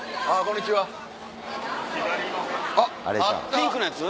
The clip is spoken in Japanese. ピンクのやつ？